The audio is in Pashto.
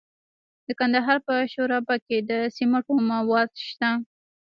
د کندهار په شورابک کې د سمنټو مواد شته.